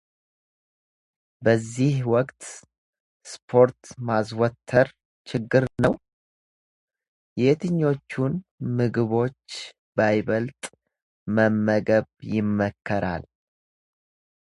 በዚህ ወቅት ስፖርት ማዘውተር ችግር አለው? የትኞቹን ምግቦች በይበልጥ መመገብ ይመከራል?